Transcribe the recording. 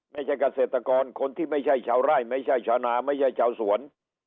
ไม่ใช่เกษตรกรคนที่ไม่ใช่ชาวไร่ไม่ใช่ชาวนาไม่ใช่ชาวสวน